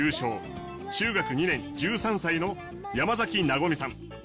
中学２年１３歳の山崎なごみさん。